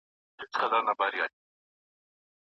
د جهل او تیارو لار یې پخپله ده اخیستې